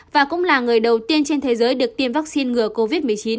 và cũng là người đầu tiên trên thế giới được tiêm vaccine ngừa covid một mươi chín